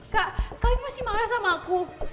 kak kalian masih marah sama aku